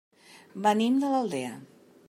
Venim de l'Aldea.